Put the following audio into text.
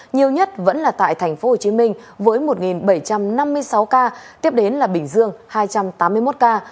nhiều nhất vẫn là tại thành phố hồ chí minh với một bảy trăm năm mươi sáu ca tiếp đến là bình dương hai trăm tám mươi một ca